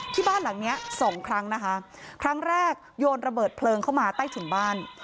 บ้านหลังเนี้ยสองครั้งนะคะครั้งแรกโยนระเบิดเพลิงเข้ามาใต้ถุนบ้าน